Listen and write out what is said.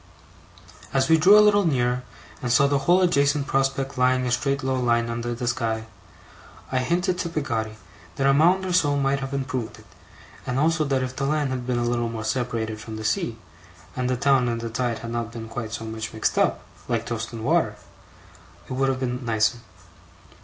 As we drew a little nearer, and saw the whole adjacent prospect lying a straight low line under the sky, I hinted to Peggotty that a mound or so might have improved it; and also that if the land had been a little more separated from the sea, and the town and the tide had not been quite so much mixed up, like toast and water, it would have been nicer.